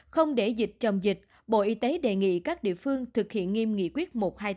không để dịch chồng dịch bộ y tế đề nghị các địa phương thực hiện nghiêm nghị quyết một trăm hai mươi tám